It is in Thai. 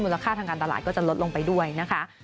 ค่าทางการตลาดก็จะลดลงไปด้วยนะคะ